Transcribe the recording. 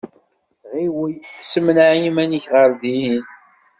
Ɣiwel, ssemneɛ iman-ik ɣer dihin.